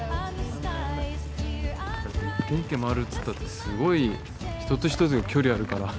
だって一軒一軒回るっていったってすごい一つ一つが距離あるから。